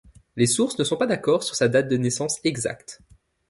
Les sources ne sont pas d'accord sur sa date de naissance exacte.